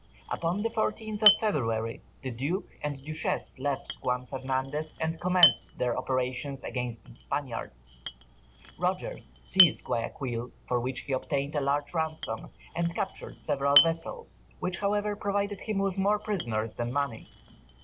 Upon the 14th of February, the Duke and Duchess left Juan Fernandez, and commenced their operations against the Spaniards. Rogers seized Guayaquil, for which he obtained a large ransom, and captured several vessels, which, however, provided him with more prisoners than money.